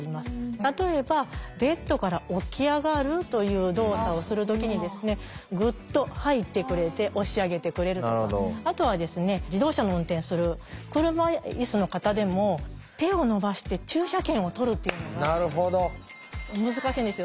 例えばベッドから起き上がるという動作をする時にグッと入ってくれて押し上げてくれるとかあとは自動車の運転する車いすの方でも手を伸ばして駐車券を取るっていうのが難しいんですよ。